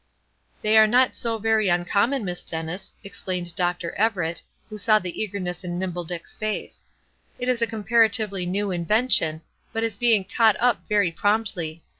"They are not so very uncommon, Miss Dennis," explained Dr. Everett, who saw the eagerness on Nimble Dick's face. "It is a comparatively new invention, but is being caught up very promptly.